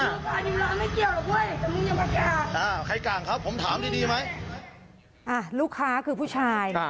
อ่าไข่กลางครับผมถามดีดีไหมอ่าลูกค้าคือผู้ชายค่ะ